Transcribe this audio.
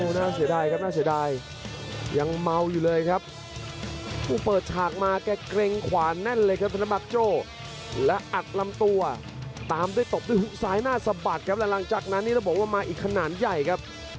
หลังจากนั้นนี่เราบอกว่ามาอีกขนาดใหญ่ครับ